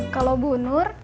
kalau bu nur